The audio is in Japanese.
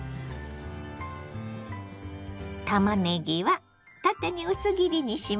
たまねぎは縦に薄切りにします。